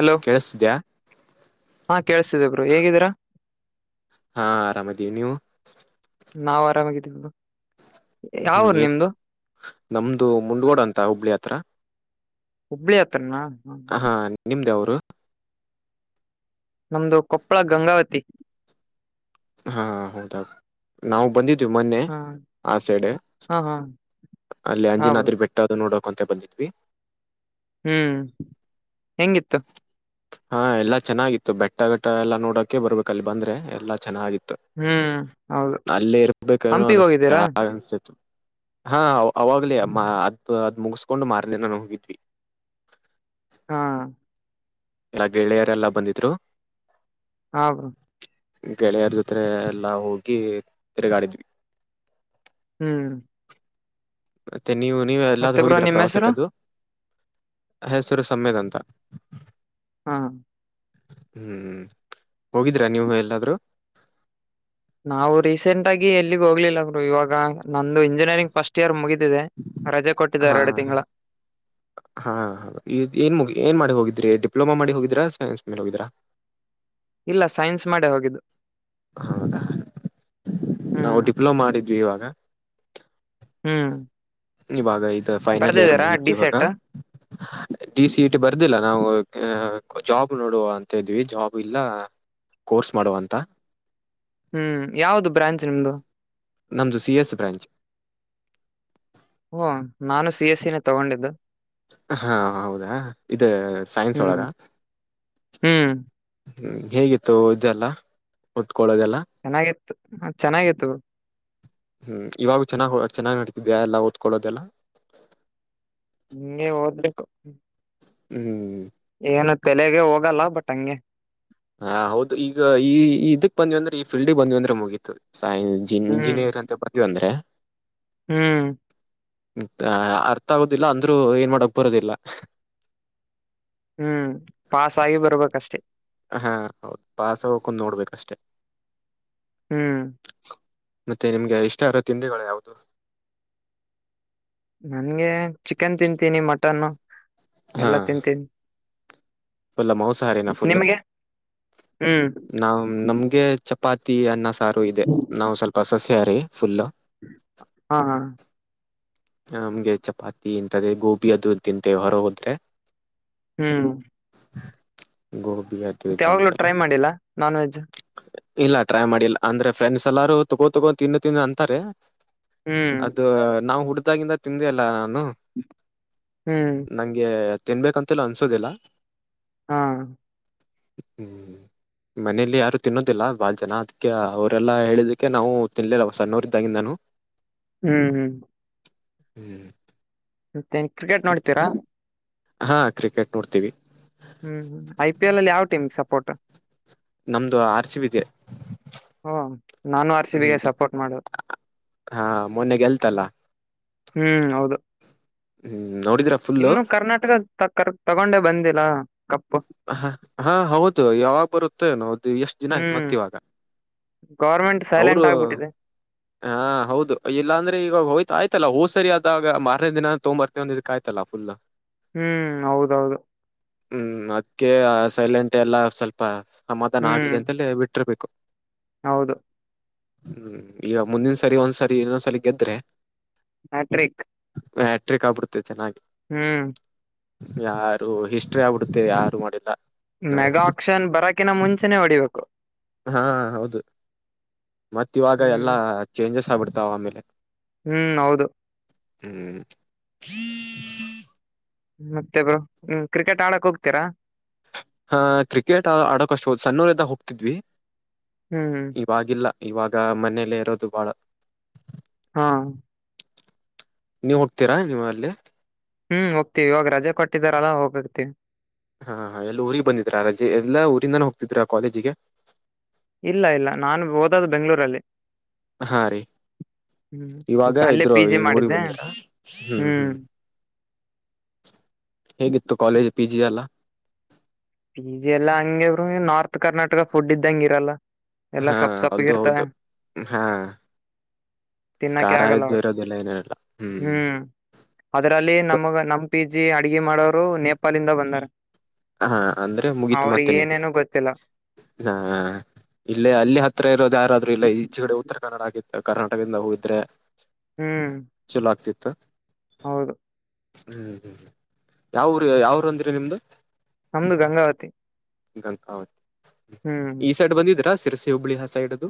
Hello ಕೇಳಿಸ್ತಿದ್ಯಾ ಹಾ ಕೇಳುಸ್ತಾ ಇದೆ ಬ್ರೋ ಹೇಗಿದ್ದೀರಾ ಹಾ ಆರಾಮದಿ ನೀವು [unintelligible] ಯಾವ ಹ್ಮ್ ಊರು ಏನ್ ನಿಮ್ದು ನಮ್ದು ಮುಂಡಗೋಡು ಅಂತ ಹುಬ್ಳಿ ಹತ್ರ ಹುಬ್ಬಳ್ಳಿ ಹತ್ರಾನ ಹಾ ನಿಮ್ದ್ ಯಾವುರು ನಮ್ದು ಕೊಪ್ಪಳ ಗಂಗಾವತಿ ಹಾ ಹೌದಾ ನಾವು ಬಂದಿದ್ದ ಇದು ಮೊನ್ನೆ ಹಾ ಆ ಸೈಡ್ ಹಾ ಹಾ ಅಲ್ಲಿ ಹಾ ಬ್ರೋ ಅಂಜಿನದ್ರ ಬಿಟ್ಟ ಅದು ನೋಡೋ ಕೊಂತ ಬಂದಿದ್ವಿ ಹ್ಮ್ ಹೆಂಗಿತ್ತು ಹಾ ಎಲ್ಲಾ ಚೆನ್ನಾಗಿತ್ತು ಬೆಟ್ಟ ಘಟ್ಟ ಎಲ್ಲ ನೋಡೋಕೆ ಬರ್ಬೇಕ ಅಲ್ಲಿ ಬಂದ್ರೆ ಎಲ್ಲಾ ಚೆನ್ನಾಗಿತ್ತು ಹ್ಮ್ ಹೌದು ಅಲ್ಲೇ ಇರ್ಬೇಕ ಹಂಪಿಗ್ ಅನಸ್ತತೆ ಹೋಗಿದ್ದೀರಾ ಹಾಗ ಅನ್ತೇತಿ [unintelligible] ಹಾ ಅವಾಗ್ಲ ಅದ್ ಅದ್ ಮುಗಿಸಕೊಂಡು ಮಾರ್ನೆ ದಿನ ಹೋಗಿದ್ವಿ ಹಾ ಎಲ್ಲ ಗೆಳೆಯರೆಲ್ಲ ಬಂದಿದ್ರು ಹಾ ಬ್ರೋ ಗೆಳೆಯರ ಜೊತೆರೆ ಎಲ್ಲಾ ಹೋಗಿ ತಿರುಗಾಡಿದ್ವಿ ಹ್ಮ್ ಮ ನೀವು ನೀವ ಮತ್ತೆ ಎಲ್ಲಾದ್ರೂ ಬ್ರೋ ಹೋಗಿದೀರಾ ನಿಮ್ ಹೆಸರು ಪ್ರವಾಸಕ್ಕದ್ದು ಹೆಸರು ಸಮಿತ್ ಅಂತ ಹಾ ಹ್ಮ್ ಹೋಗಿದೀರಾ ನೀವು ಎಲ್ಲಾದ್ರೂ ನಾವು ರೀಸೆಂಟ್ ಆಗಿ ಎಲ್ಲಿಗೆ ಹೋಗ್ಲಿಲ್ಲರು ಬ್ರೋ ಇವಾಗ ನಂದು ಇಂಜಿನಿಯರಿಂಗ್ ಫಸ್ಟ್ ಇಯರ್ ಮುಗಿತು ಹಾ ಹ ಹಾ ಹ ಏನ್ ಮುಗ ಏನ್ ಮಾಡಿ ಹೋಗಿದ್ದ ಪ್ಲೋಮಾ ಮಾಡಿ ಹೋಗಿದೀರಾ ಸೈನ್ಸ್ ಮೇಲೆ ಹೋಗಿದೀರಾ ಇಲ್ಲ ಸೈನ್ಸ್ ಮಾಡೇ ಹೋಗಿದ್ದು ಹೌದಾ ನಾವು ಹ್ಮ್ ಡಿಪ್ಲೊಮಾ ಮಾಡಿದ್ವಿ ಇವಾಗ ಹ್ಮ್ ಇವಾಗ ಇ ಫೈನಲ್ ಇಯರ್ ಬರ್ದಿದ್ದೀರಾ ಮುಗತಿ ಇವಾಗ ಡಿಸೆಟ್ ಡಿ ಸಿ ಇಟಿ ಬರ್ದಿಲ್ಲ ನಾವು ಜಾಬ್ ನೋಡುವ ಅಂತ ಇದ್ವಿ ಜಾಬ್ ಇಲ್ಲ ಕೋರ್ಸ್ ಮಾಡುವ ಅಂತ ಹ್ಮ್ ಯಾವ್ದ ಬ್ರಾಂಚ್ ನಿಮ್ದು ನಮ್ದು ಸಿ ಎಸ್ ಬ್ರಾಂಚ್ ಹಓ ನಾನು ಸಿ ಎಸ್ಸ ನ ತಗೊಂಡಿದ್ದು ಹಾ ಹೌದಾ ಇ ಸೈನ್ಸ್ ಒಳಗ ಹ್ಮ್ ಹ್ಮ್ ಹ್ಮ್ ಹೇಗಿತ್ತು ಇದೆಲ್ಲದ ಚೆನ್ನಾಗಿತ್ತು ಚೆನ್ನಾಗಿತ್ತು ಹ್ಮ್ ಇವಾಗ ಚೆನ್ನಾಗ್ ಚೆನ್ನಾಗ್ ನಡತಿದ್ಯಾ ಎಲ್ಲ ಓದ್ಕೊಳ್ಳೋದೆಲ್ಲ ನೀ ದಬೇಕ ಹ್ಮ್ ಏನು ತಲೆಗೆ ಹೋಗಲ್ಲ ಬಟ್ ಹಂಗೆ ಹ ಹೌದು ಈಗ ಈ ಇದಕ್ ಬಂದ್ವಿ ಅಂದ್ರೆ ಈ ಫಲ್ಡ್ಗ್ ಬಂದ್ವಿ ಅಂದ್ರೆ ಮುಗೀತದ ಸೈನ್ ಹ್ಮ್ ಇಂಜಿನಿಯರ್ ಅಂತ ಪ್ರತಿ ಅಂದ್ರೆ ಹ್ಮ್ ಅರ್ಥ ಆಗೋದಿಲ್ಲ ಅಂದ್ರರು ಏನ್ ಮಾಡಕ್ ಬರೋದಿಲ್ಲ ಹ್ಮ್ ಪಾಸ್ ಆಗಿ ಬರ್ಬೇಕಷ್ಟೇ ಹಾ ಹೌದು ಪಾಸ ಹಕೊಂಡ್ ನೋಡ್ಬೇಕಷ್ಟೆ ಹ್ಮ್ ಮತ್ತೆ ನಿಮ್ಗೆ ಇಷ್ಟ ಅರೋ ತಿಂಡಿಗಳು ಯಾವ್ದದು ನನ್ಗೆ ಚಿಕನ್ ತಿಂತೀನಿ ಮಟನ್ ಎಲ್ಲ ತಿಂತೀನಿ ಫುಲ್ಲ ಮಾಂಸಾಹಾರಿನಾ ಫುಲ್ಲ ನಿಮಗೆ ಹ್ಮ್ ನಾ ನಮ್ಗೆ ಚ ಚಪಾತಿ ಅನ್ನ ಸಾರು ಇದೆ ನಾವು ಸ್ವಲ್ಪ ಸಸ್ಯಹಾರಿ ಫುಲ್ ಹಾ ಹ ನಮ್ಗೆ ಚಪಾತಿ ಇಂಂತದೇ ಗೋಬಿ ಅದು ತಿಂತೆೇವೆ ಹೊರ ಹೋದ್ರೆ ಹ್ಮ್ ಗು ಮತ್ತ ಯಾವಾಗ್ಲೂ ಟ್ರೈ ಮಾಡಿಲ್ಲ ನಾನ್ ವೆಜ್ ಇಲ್ಲ ಟ್ರೈ ಮಾಡಿಲ್ಲ ಅಂದ್ರೆ ಫ್ರೆಂಡ್ಸ್ ಎಲ್ಲಾರು ತಗೋ ತಗೋ ತಿಂದು ತಿಂದು ಅಂತಾರೆ ಹ್ಮ್ ಅದು ನಾವು ಹುಡ್ದಾಗಿಂದ ತಿಂದೆ ಅಲ್ಲ ನಾನು ಹ್ಮ್ ನಂಗೆ ತಿನ್ಬೇಕಂತಲ್ಲ ಅನ್ಸೋದಿಲ್ಲ ಹಾ ಹ್ಮ್ ಮನೇಲಿ ಯಾರು ತಿನ್ನೋದಿಲ್ಲ ಬಾಳ ಜನ ಅದಕ್ಕೆ ಅವರೆಲ್ಲಾ ಹೇಳದಕ್ಕೆ ನಾವು ತಿನ್ಲಿಲ್ಲ ಸಣ್ಣೋರ್ ಇದ್ದಾಗಿಂದ ನಾನು ಹ್ಮ್ ಹ್ಮ್ ಹ್ಮ್ ಮತ್ತೇನ್ ಕ್ರಿಕೆಟ್ ನೋಡ್ತೀರಾ ಹಾ ಕ್ರಿಕೆಟ್ ನೋಡ್ತೀವಿ ಹ್ಮ್ ಐ ಪಿ ಎಲ್ ಅಲ್ಲಿ ಯಾವ್ ಟೀಮ್ ಸಪೋರ್ಟ್ ನಮ್ದು ಆರ್ಸಿವಿದ ಓ ನಾನು ಆರ್ ಸಿ ಬಿಗೆ ಹ್ಮ್ ಸಪೋರ್ಟ್ ಮಾಡೋದು ಹಾ ಮೊನ್ನಗೆಲ್ತಲ್ಲ ಹ್ಮ್ ಹೌದು ಹ್ಮ್ ನೋಡಿದ್ರ ಫುಲ್ಲು ಇನ್ನು ಕರ್ನಾಟಕ ಕರ್ ತಗೊಂಡೆ ಬಂದಿಿಲ್ಲ ಹಾ ಹ ಹಾ ಹೌದು ಯಾವಾಗ ಬರುತ್ತೆ ನೋದು ಎಷ್ಟ್ ದಿನ ಆಯ್ತು ಹ್ಮ್ ಮತ್ತ್ ಇವಾಗ ಗೌರ್ಮೆಂಟ್ ಅವರು ಸೈಲೆಂಟ್ ಆಗ್ಬಿಟ್ಟಿದೆ ಹಾ ಹೌದು ಇಲ್ಲಾಂದ್ರೆ ಇವಾಗ ಹೋತ್ ಆಯ್ತಲ್ಲ ಒದ್ ಸರಿ ಆದಾಗ ಮಾರನೇ ದಿನ ತಗೊಂಬರ್ತೀನಿ ಅಂದಿದ್ದಕ್ಕೆ ಆಯ್ತಲ್ಲ ಎಲ್ಲಾ ಪುಲ್ಲು ಹ್ಮ್ ಹೌದೌದು ಹ್ಮ್ ಅದಕ್ಕೆ ಸೈಲೆಂಟ್ ಎಲ್ಲಾ ಸ್ವಲ್ಪ ಸಮಾಧಾನ ಆಗ್ಲಿ ಹ್ಮ್ ಅಂತಲ್ಲೇ ಬಿಟ್ಟಿರ್ಬೇಕು ಹೌದು ಹ್ಮ್ ಈಗ ಮುಂದಿನ ಸರಿ ಒಂದ್ಸರಿ ಇನ್ನೊಂದ್ಸರಿ ಗೆದ್ರೆ ಹಟ್ರಿಕ್ ಹ್ಯಾಟ್ರಿಕ್ ಆಬಿಡುತ್ತೈತ್ತೆ ಚೆನ್ನಾಗಿ ಹ್ಮ್ ಯಾರು ಹಿಸ್ಟ್ರಿ ಆಗ್ಬಿಡುತ್ತೆ ಯಾರು ಮಾಡಿಲ್ಲ ಇನ್ನವರೆಗೂ ಮೆಗಾ ಆಕ್ಷನ್ ಬರಕಿನ ಮುಂಚೆನೆ ಹೊಡಿಬೇಕು. ಹಾ ಹೌದು ಮತ್ತ್ ಇವಾಗ ಹ್ಮ್ ಎಲ್ಲಾ ಚೇಂಜಸ್ ಆಗ್ಬಿಡ್ತಾವ ಆಮೇಲೆ ಹ್ಮ್ ಹೌದು ಹ [unintelligible] ಮತ್ತೆ ಬ್ರೋ ಹ್ಮ್ ಕ್ರಿಕೆಟ್ ಆಡಕ್ ಹೋಗ್ತೀರಾ? ಹಾ ಕ್ರಿಕೆಟ್ ಆಡಕಾಷ್ಟ ಹ ಸಣ್ಣೂರಿಂದಾಗ ಹೋಗ್ತಿದ್ವಿ ಹ್ಮ್ ಇವಾಗಿಲ್ಲ ಇವಾಗ ಮನೆಯಲ್ಲೇ ಇರೋದು ಬಾಳ ಹಾ ನೀವು ಹೋಗ್ತೀರಾ ನೀವು ಅಲ್ಲಿ ಹ್ಮ್ ಹೋಗ್ತಿವಿ ಇವಾಗ ರಜೆ ಕೊಟ್ಟಿದಾರಲ್ಲಾ ಹೋಗಿರ್ತೀನಿ. ಹಾ ಹಾ ಎಲ್ಲೂ ಊರಿಗೆ ಬಂದಿದ್ರಾ ರಜೆ ಎಲ್ಲಾ ಊರಿಂದಾನೆ ಹೋಗ್ತಿದ್ರಾ ಕಾಲೇಜಿಗೆ ಇಲ್ಲ ಇಲ್ಲ ನಾನು ಓದೊದ್ದು ಬೆಂಗಳೂರಲ್ಲಿ ಹಾ ರೀ ಇವಾಗ ಅಲ್ಲೇ ಇದ್ರು ಪಿ ಈ ಜಿ ಊರಿಗೆ ಮಾಡಿದ್ದೆ ಬಂದಿದ್ದ್ರ ಹ್ಮ್ ಹ್ಮ್ ಹೇಗಿತ್ತು ಕಾಲೇಜ್ ಪಿಜಿ ಎಲ್ಲ ಪಿಜಿ ಎಲ್ಲಾ ಹಂಗ ಬ್ರೋ ನಾರ್ತ್ ಕರ್ನಾಟಕ ಫುಡ್ ಇದ್ದಂಗಿರಲ್ಲ ಎಲ್ಲಾ ಹಾ ಸಪ್ಪ ಹೌದು ಸಪ್ಪಗಿರ್ತವೆ ಹೌದು ಹಾ ತಿನ್ನಕ್ಕೆೆ ಖಾರ ಆಗಲ್ಲ ಇದ್ದು ಇರೋದಿಲ್ಲ ಏನಿರಲ್ಲ ಹ್ಮ್ ಅದ್ ಅಲ್ಲಿ ನಮಗ ನಮ ಪಿ ಜಿ ಅಡುಗೆ ಮಾಡೋರು ನೇಪಾಲ್ ಇಂದ ಬಂದಾರ ಹಾ ಅಂದ್ರೆ ಮುಗಿತು ಅವ್ರಿಗೆ ಮತ್ತೆನ್ ಏನೇನು ಗೊತ್ತಿಲ್ಲ ಹಾ ಇಲ್ಲೇ ಅಲ್ಲಿ ಹತ್ರ ಇರೋದು. ಯಾರಾದ್ರರು ಇಲ್ಲ ಈಚಗಡೆ ಉತ್ತರ ಕನ್ನಡ ಆಗಿ ಕರ್ನಾಟಕದಿಂದ ಹೋಗಿದ್ರೆ ಹ್ಮ್ ತ್ತ್ ಹೌದು ಹ್ಮ್ ಹ್ಮ್ ಯಾವ್ ಊರು ಯಾವ್ ಊರ ಅಂದ್ರಿ ನಿಮ್ದು ನಮ್ದು ಗಂಗಾವತಿ ಗಂಗಾವತಿ ಹ್ಮ್ ಈ ಸೈಡ್ ಬಂದಿದ್ರಾ ಸಿರಸಿ ಹುಬ್ಬಳಿ ಆ ಸೈಡ್ದು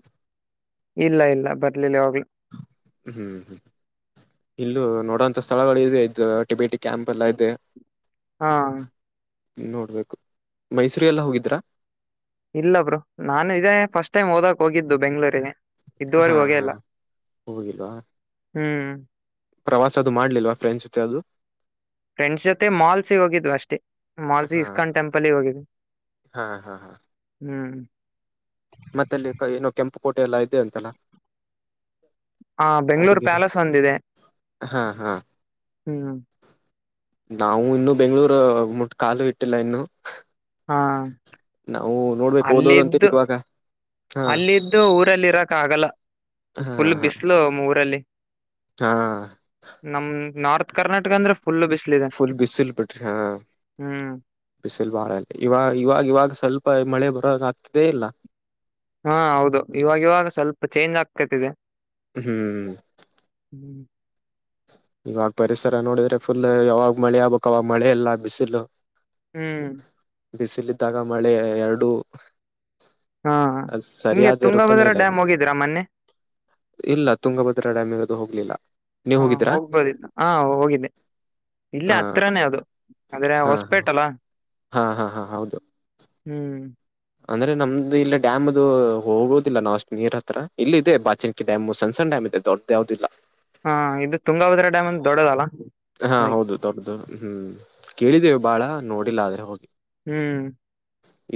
ಇಲ್ಲ ಇಲ್ಲ ಬರ್ಲಿಲ್ಲ ಯಾವಾಗ್ಲು ಹ್ಮ್ ಹ್ಮ್ ಇಲ್ಲು ನೋಡೋಂತ ಸ್ಥಳಗಳಿವೆ ಇ ಟಿಬೇಟ್ ಕ್ಯಾಮರ ಎಲ್ಲಾ ಇದೆ ಹಾ ನೋಡ್ಬೇಕು ಮೈಸೂರ್ ಎಲ್ಲಾ ಹೋಗಿದ್ರಾ ಇಲ್ಲ ಬ್ರೋ ನಾನು ಇದೇ ಫಸ್ಟ್ ಟೈಮ್ ಓದಕ್ ಹೋಗಿದ್ದು ಬೆಂಗಳೂರಿಗೆ ಹಾ ಇದ್ದುವರೆಗೂ ಹೋಗೆ ಹಾ ಇಲ್ಲ ಹ್ಮ್ ಪ್ರವಾಸದು ಮಾಡ್ಲಿಲ್ವಾ ಫ್ರೆಂಡ್ಸ ಜೊತೆ ಯಾದು ಫ್ರೆಂಡ್ಸ್ ಜೊತೆ ಮಾಲ್ಸಿ ಹೋಗಿದ್ವಿ ಅಷ್ಟೇ ಮಾಲ್ಸಿ ಇಸ್ಕಾನ್ ಟೆಂಪಲ್ಗೆ ಹೋಗಿದ್ವಿ ಹ ಹಾ ಹಾ ಹ್ಮ್ ಮತ್ತ ಅಲ್ಲಿ ಏನೋ ಕೆಂಪು ಕೋಟೆ ಎಲ್ಲ ಇದೆ ಅಂತಾನ ಹ ಬೆಂಗಳೂರು ಪ್ಯಾಲೇಸ್ ಒಂದಿದೆ ಹಾ ಹಾ ಹ್ಮ್ ನಾವು ಇನ್ನು ಬೆಂಗಳೂರು ಮುಟ್ ಕಾಲು ಇಟ್ಟಿಲ್ಲ ಇನ್ನು ಹಾ ನಾವು ನೋಡ್ಬೇಕು ಓದೋದಂತೇಳಿ ಅಲ್ಲಿದ್ದು ಇವಾಗ ಹಾ ಅಲ್ಲಿದ್ದು ಊರಲ್ಲಿ ಇರಕಾಗಲ್ಲ. ಹಾ ಫುಲ್ ಹಾ ಬಿಸ್ಲು ಮ್ ಊರಲ್ಲಿ ಹಾ ನಮ್ ನಾರ್ತ್ ಕರ್ನಾಟಕ ಅಂದ್ರೆ. ಫುಲ್ ಬಿಸಿಲಿದೆ ಫುಲ್ ಬಿಸಿಲ್ ಬಿಟ್ರ ಹಾ ಹ್ಮ್ ಬಿಸಿಲ್ ಬಾಳಲ್ಲಿ ಇವಾ ಇವಾಗ್ ಇವಾಗ ಇವಾಗ್ ಸ್ವಲ್ಪ. ಪ ಮಳೆ ಬರೋ ಆಗ್ತಿದೆ ಇಲ್ಲ. ಹಾ ಹೌದು ಇವಾಗ್ ಇವಾಗ್ ಸ್ವಲ್ಪ ಚೇಂಜ್ ಆಗ್ತತದೆ. ಹ್ಮ್ ಹ್ಮ್ ಇವಾಗ್ ಪರಿಸರ ನೋಡಿದ್ರೆ ಫುಲ್ ಯಾವಾಗ್ ಮಳೆ ಆಗ್ಬೇಕೊ ಮಳೆಲ್ಲ ಬಿಸಿಲು. ಹ್ಮ್ ಬಿಸಿಲಿದ್ದಾಗ ಮಳೆ ಎರಡು. ಹಾ ಅದ್ ಹಿಂಗೆ ಸರಿಯಾದ ತುಂಗಭದ್ರ ಋತೆನೆಲ್ಲ ಡ್ಯಾಮ್ ಇವಾಗ್. ಹೋಗಿದ್ರಾ ಮೊನ್ನೆ ಇಲ್ಲ ತುಂಗಭದ್ರಾ ಡ್ಯಾಮ್ ಇರೋದು ಹೋಗ್ಲಿಲ್ಲ ನೀವ್ ಹ ಹೋಗಿದ್ರಾ. ಇಲ್ಲ ಹ ಹತ್ರಾನೇ ಅದು ಅಂದ್ರೆ ಹಾ ಹೊಸ್ಪೇಟ್ ಅಲ್ಲ. ಹಾ ಹಾ ಹಾ ಹೌದು. ಹ್ಮ್ ಅಂದ್ರೆ ನಮ್ದು ಇಲ್ಲಿ ಡ್ಯಾಮ್ ಅದು ಹೋಗುದಿಲ್ಲ ನಾವ್ ಅಷ್ಟ ನೀರ್ ಹತ್ರ ಇಲ್ ಇದೆ ಬಾಚಿಂಕಿ ಡ್ಯಾಮ್ ಸಣ್ ಸಣ್ ಡ್ಯಾಮ್. ಇದೆ ದೊಡ್ದ್ ಯಾವದು ಇಲ್ಲ. ಹಾ ಇದು ತುಂಗಭದ್ರ ಡ್ಯಾಮ್ ಅಂದ್ ದೊಡ್ಡದಲ್ಲಾ. ಹಾ ಹೌದು ದೊಡ್ದದು ಹ್ಮ್ ಕೇಳಿದ್ದೇವು ಬಾಳ ನೋಡಿಲ್ಲ ಅದ್ರೆ ಹೋಗ್ ಹ್ಮ್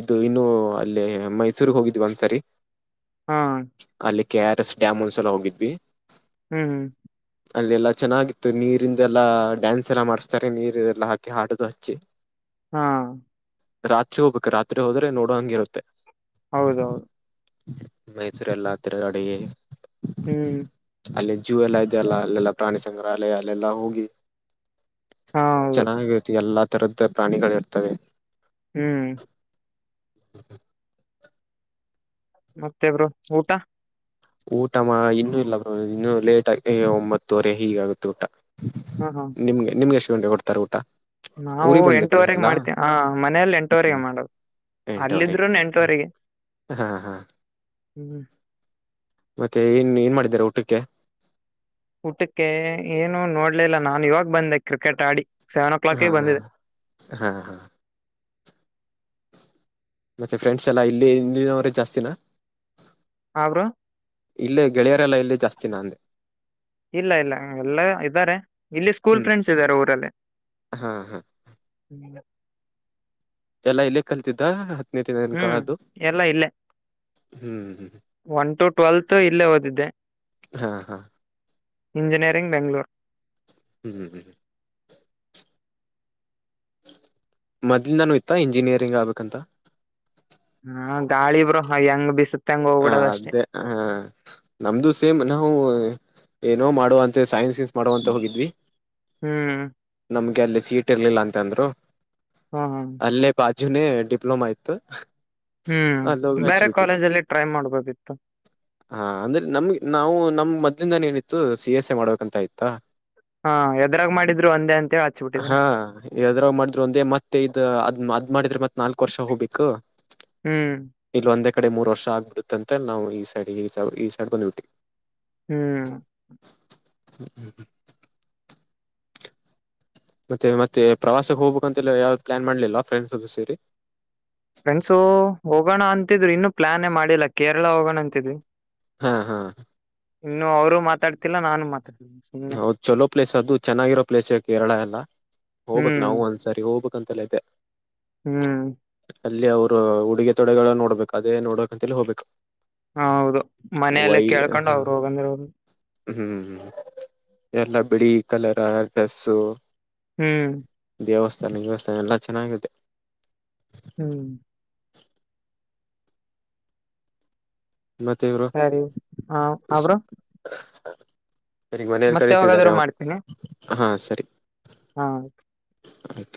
ಇದು ಇನ್ನು ಅಲ್ಲೇ ಮೈಸೂರ್ಗ್ ಹೋಗಿದ್ವಿ ಒಂದ್ಸರಿ. ಹಾ ಅಲ್ಲಿ ಕೆ ಆರ್ ಎಸ್ ಡ್ಯಾಮ್ ಒಂದ್ಸಲ ಹೋಗಿದ್ವಿ. ಹ್ಮ್ ಹ್ಮ್ ಅಲ್ಲಿ ಎಲ್ಲಾ ಚೆನ್ನಾಗಿತ್ತು ನೀರಿಂದ ಎಲ್ಲಾ ಡ್ಯಾನ್ಸ್ ಎಲ್ಲ ಮಾಡಸ್ತಾರೆ ನೀರ್ ಎಲ್ಲ ಹಾಕಿ ಹಾಡದು ಹಚ್ಚಿ. ಹಾ ರಾತ್ರಿ ಹೋಗ್ಬೇಕು ರಾತ್ರಿ ಹೋದ್ರೆ ನೋಡ ಹಂಗ್ ಇರುತ್ತೆ. ಹೌದೌದು ಮೈಸೂರೆಲ್ಲ ತಿರ್ಗಾಡಿ. ಹ್ಮ್ ಅಲ್ಲಿ ಜೂ ಎಲ್ಲಾ ಇದೆ ಅಲ್ಲ ಅಲ್ಲೆಲ್ಲ ಪ್ರಾಣಿ ಸಂಗ್ರಹಾಲಯ ಅಲ್ಲೆಲ್ಲಾ ಹೋಗಿ. ಹಾ ಹೌದು ಚೆನ್ನಾಗಿರು ಎಲ್ಲ ತಥರದ್ ಪ್ರಾಣಿಗಳಿರ್ತವೆ. ಹ್ಮ್ ಮತ್ತೆ ಬ್ರೊ ಊಟ. ಊಟ ಮಾ ಇನ್ನು ಇಲ್ಲ ಬ್ರೊ ಇನ್ನು ಲೇಟ್ಗಿ ಒಂಬತ್ತುವರೆ ಹೀಗಾಗುತ್ತೆ ಊಟ. ಹ ಹಾ ನಿಮ್ಗೆ ನಿಮ್ಗ ಎಷ್ಟ ಗಂಟೆಗ್ ಕೊಡ್ತಾರೆ ಊಟ. ನಾವು ಊರಿಗೆ ಎಂಟೂವರೆಗೆ ಬಂದಿರ್ತೀರಲ್ಲ ಮಾಡ್ತೇ ಹ ಮನೆಲ್ ಎಂಟುವರೆಗೆ ಹ್ಮ್ ಮಾಡೋದು. ಎಂಟುವರೆಗೆ ಅಲ್ಲಿದ್ರುನ್ ಎಂಟುವರೆಗೆ. ಹಾ ಹಾ ಹ್ಮ್ ಮತ್ತೆ ಏನ್ ಏನ್ ಮಾಡಿದಿರ ಊಟಕ್ಕೆ. ಊಟಕ್ಕೆ ಏನು ನೋಡ್ಲಿಲ್ಲ ನಾನು ಇವಾಗ್ ಬಂದೆ ಕ್ರಿಕೆಟ್ ಆಡಿ. ಸೆವೆನ್ ಓ ಹಾ ಕ್ಲಾಕಿಗೆ ಬಂದಿದೆ ಹಾ ಮತ್ತೆ ಫ್ರೆಂಡ್ಸ್ ಎಲ್ಲಾ ಇಲ್ಲಿ ಇಲ್ಲಿನವ್ರೆ ಜಾಸ್ತಿನ. ಹ ಬ್ರೊ ಇಲ್ಲೇ ಗೆಳ್ಯಾ ಜಾಸ್ತಿನ ಅಂದೆ ಇಲ್ಲ ಇಲ್ಲ ಎಲ್ಲ ಇದ್ದಾರೆ ಇಲ್ಲಿ ಸ್ಕೂಲ್ ಹ್ಮ್ ಫ್ರೆಂಡ್ಸ್ ಇದ್ದಾರೆ ಊರಲ್ಲಿ. ಹಾ ಹಾ ಹ ಲ್ಲ ಇಲ್ಲೇ ಕಲ್ತಿದ್ದ ಹತ್ತನೇ ತನಕ ಹ್ಮ್ ಅದು ಎಲ್ಲಾ ಇಲ್ಲೇ ಹ್ಮ್ ಹ್ಮ್ ಒನ್ ಟು ಟ್ವೆಲ್ತ್ ಇಲ್ಲೇ ಓದಿದ್ದೆ ಹಾ ಹಾ ಇಂಜಿನಿಯರಿಂಗ್ ಬೆಂಗ್ಳೂರು ಹ್ಮ್ ಹ್ಮ್ ಹ್ಮ್ ಹ್ಮ ಮೊದ್ಲ್ ನಾನು ಇತ್ತ ಇಂಜಿನಿಯರಿಂಗ್ ಆಗ್ಬೇಕಂತ ಹ ಗಾಳಿ ಬ್ರ ಹ ಹೆಂಗ್ ಬಿಸುತ್ತ ಹೆಂಗ್ ಹ ಹೋಗ್ಬಿಡದ ಅಷ್ಟೇ ಅದೇ ಹ ನಮ್ದು ಸೇಮ್ ನ ಹ ಏನೋ ಮಾಡುವ ಅಂತೆ ಸೈನ್ಸಸ್ ಮಾಡುವ ಅಂತ ಹೋಗಿದ್ವಿ ಹ್ಮ್ ನಮ್ಗೆ ಅಲ್ಲಿ ಸೀಟ್ ಇರ್ಲಿಲ್ಲ ಅಂತಂದ್ರು ಹ್ಮ್ ಹ್ಮ್ ಜುನೇ ಡಿಪ್ಲೊಮಾ ಇತ್ತು ಹ್ಮ್ ಅಲ್ಲೋಗಿ ಬೇರೆ ಹಚ್ಬಿಟ್ವಿ ಕಾಲೇಜಲ್ಲಿ ಟ್ರೈ ಮಾಡ್ಬೋದಿತ್ತು ಹಾ ಅಂದ್ರೆ ನಮ್ಗೆ ನಾವು ನಮ್ ಮದ್ದಿಂದಾನ ಏನಿತ್ತು ಸಿ ಎಸ್ ಎ ಮಾಡ್ಬೇಕಂತ ಆಯ್ತಾ ಹಾ ಎದರಾಗ ಮಾಡಿದ ಹಾ ಯದ್ರ ಮಾಡಿದ್ರು ಒಂದೇ ಮತ್ತೆ ಇ ಅದ್ ಅದ ಮಾಡಿದ್ರೆ ಮತ್ ನಾಲ್ಕ್ು ವರ್ಷ ಹೋಗ್ಬೇಕು ಹ್ಮ್ ಈ ಕಡೆ ಮೂರು ವರ್ಷ ಆಗ್ಿಬಿಡುತ್ತಂತೆ ನಾವು ಈ ಸೈಡ್ ಈ ಸ ಈ ಸೈಡ್ ಬಂದ್ಬಟ್ಟವಿ ಹ್ಮ್ ಹ್ಮ್ ಹ್ಮ್ ಹ್ಮ ಮತ್ತೆ ಮತ್ತೆ ಪ್ರವಾಸಕ್ಕೆ ಹೋಗ್ಬೇಕು ಅಂತೆಲ್ಲ ಯಾವ್ದು ಪ್ಲಾನ್ ಮಾಡ್ಲಿಲ್ಲ ಫ್ರೆಂಡ್ಸ್ ಸೇರಿ ಫ್ರೆಂಡ್ಸು ಹೋಗೋಣ ಅಂತಿದ್ರು ಇನ್ನು ಪ್ಲಾಾನೆ ಮಾಡಿ ಲ್ಲ ಕೇರಳ ಹೋಗೋಣಂತು ಹಾ ಹಾ ಇನ್ನು ಅವರು ಮಾತಾಡ್ತಿಲ್ಲ ನಾನು ಮಾತಾಡ್ ಹೌದ್ ಚಲೋ ಪ್ಲೇಸ್ ಅದು ಚೆನ್ನಾಗಿರೋ ಪ್ಲೇಸ್ ಕೇರಳ ಎಲ್ಲಾ ಹೋಗ್ಬೇಕಕ್ ಹ್ಮ್ ನಾವು ಒಂದ್ಸರಿ ಹೋಗ್ಬೇಕು ಂತಲತೆ ಹ್ಮ್ ಅಲ್ಲಿ ಅವರು ಉಡುಗೆ ತೊಡೆಗಳ ನೋಡ್ಬೇಕು ಅದೇ ನೋಡಕ್ ಅಂತೇಳ ಹೋಗ್ಬೇಕು ಹ ಹೌದು ಮನೆಯಲ್ಲೇ ವೈ ಕೇಳ್ಕೊಂಡು ಹ ಅವ್ರು ಹೋಗಂದರ ಹ್ಮ್ ಎಲ್ಲ ಬಿಳಿ ಕಲರ್ ಡ್ರೆಸ್ಸು ಹ್ಮ್ ದೇವಸ್ಥಾನ ದೇವಸ್ಥಾನ ಎಲ್ಲ ಚೆನ್ನಾಗಿದೆ ಹ್ಮ್ ಮತ್ತೆ ಇವರು ಸರಿ ಹ ಅವ್ರ ಸಗ ಮನೇೆಯಲ್ಲಿ ಕರತಿದ್ದಾರೆ ಮಾಡ್ತೀನಿ ಹಾಂ ಸರಿ ಹಾ ಆಯತು